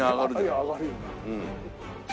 上がるよな。